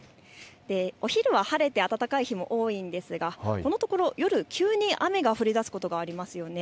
お昼は晴れて暖かい日も多いんですが、このところ夜、急に雨が降りだすことがありますよね。